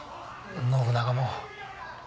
信長も。